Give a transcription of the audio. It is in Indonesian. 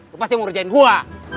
lu pasti mengerjain gua